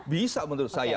bisa menurut saya